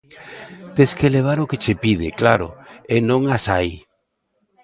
Tes que levar o que che pide, claro, e non as hai.